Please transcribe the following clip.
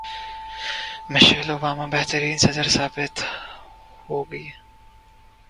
Michel Obama بہترین صدر ثابت ہوں گی